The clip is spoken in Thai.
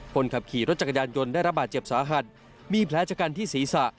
คนขับขี่รถจักรยานยนต์ได้ระบาดเจ็บสาหัสมีแผลชะกันที่ศีรษะ